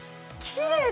きれい！